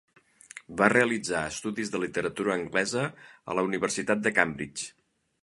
Va realitzar estudis de literatura anglesa a la Universitat de Cambridge.